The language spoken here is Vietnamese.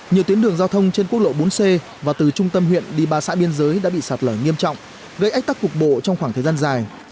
nhiều tuyến đường giao thông trên quốc lộ bốn c và từ trung tâm huyện đi ba xã biên giới đã bị sạt lở nghiêm trọng gây ách tắc cục bộ trong khoảng thời gian dài